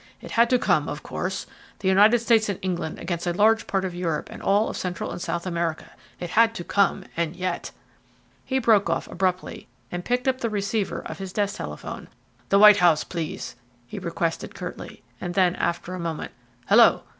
"It had to come, of course, the United States and England against a large part of Europe and all of Central and South America. It had to come, and yet !" He broke off abruptly, and picked up the receiver of his desk telephone. "The White House, please," he requested curtly, and then, after a moment: "Hello!